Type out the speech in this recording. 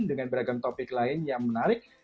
dengan beragam topik lain yang menarik